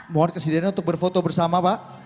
mohon kesediaannya untuk berfoto bersama pak